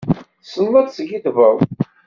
Tessneḍ ad teskiddbeḍ.